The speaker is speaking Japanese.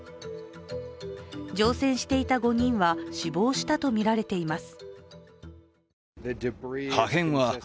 乗船していた５人は死亡したとみられています。